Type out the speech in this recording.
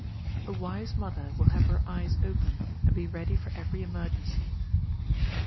A wise mother will have her eyes open, and be ready for every emergency.